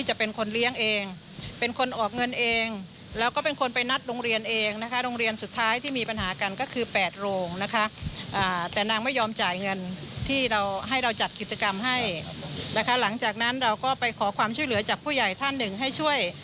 หลังจากนั้นเราก็ไปขอความช่วยเหลือจากผู้ใหญ่ท่านหนึ่งให้ช่วย